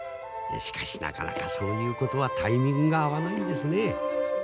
しかしなかなかそういうことはタイミングが合わないんですね。